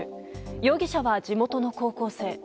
容疑者は地元の高校生。